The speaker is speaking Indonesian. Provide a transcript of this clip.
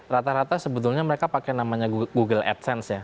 rata rata sebetulnya mereka pakai namanya google adsense ya